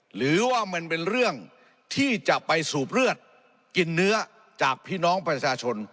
หรือว่ามันเป็นเรื่องที่จะไปสูบเลือดกินเนื้อจากพี่น้องประชาชน